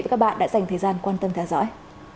và các bạn đã dành thời gian quan tâm theo dõi